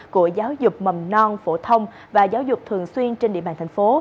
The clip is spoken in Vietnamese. của giáo dục mầm non phổ thông và giáo dục thường xuyên trên địa bàn thành phố